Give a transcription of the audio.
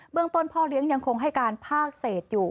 เรื่องต้นพ่อเลี้ยงยังคงให้การภาคเศษอยู่